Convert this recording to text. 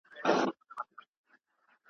o خدای دي په داسي چا مه وه چي وهل ئې نه وي کړي.